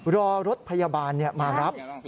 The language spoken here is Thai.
รอรถพยาบาลมารับ